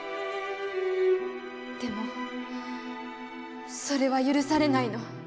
でもそれは許されないの。